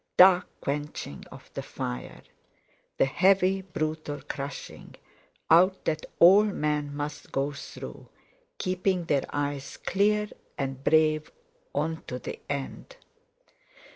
Dark quenching of the fire! The heavy, brutal crushing out that all men must go through, keeping their eyes clear and brave unto the end!